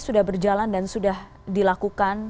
sudah berjalan dan sudah dilakukan